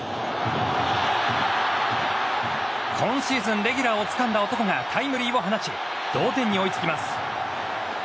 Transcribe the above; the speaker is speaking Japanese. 今シーズンレギュラーをつかんだ男がタイムリーを放ち同点に追いつきます。